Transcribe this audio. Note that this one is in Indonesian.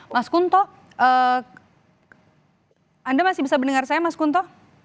mas kunto anda masih bisa mendengar saya mas kunto